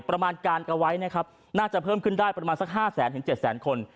ประมาณการเอาไว้น่าจะเพิ่มได้ประมาณ๕๐๐๗๐๐คน